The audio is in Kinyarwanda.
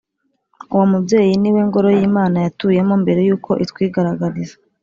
uwo mubyeyi ni we ngoro y’imana yatuyemo mbere y’uko itwigaragariza